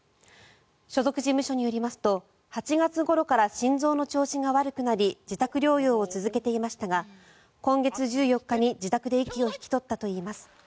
所属事務所によりますと８月ごろから心臓の調子が悪くなり自宅療養を続けていましたが今月１４日に自宅で息を引き取ったといいます。